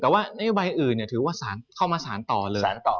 แต่ว่านโยบายอื่นถือว่าสารเข้ามาสารต่อเลย